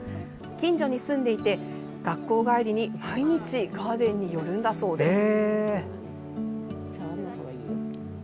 近所に住んでいて、学校帰りに毎日ガーデンに寄るんだそうです。